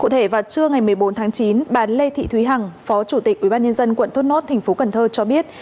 cụ thể vào trưa ngày một mươi bốn tháng chín bà lê thị thúy hằng phó chủ tịch ubnd quận thốt nốt tp cn cho biết